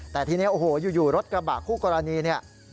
แต่ทีนี้โอ้โหอยู่รถกระบะคู่กรณีเนี่ย